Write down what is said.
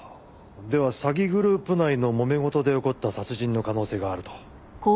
では詐欺グループ内のもめ事で起こった殺人の可能性があると。